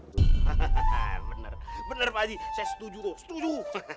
hahaha bener bener pak ji saya setuju tuh setuju